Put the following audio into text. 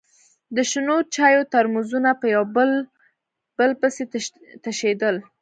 د شنو چايو ترموزونه به يو په بل پسې تشېدل.